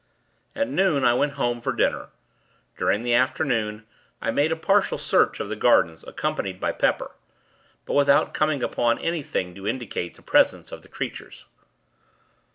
At noon, I went home, for dinner. During the afternoon, I made a partial search of the gardens, accompanied by Pepper; but, without coming upon anything to indicate the presence of the creatures.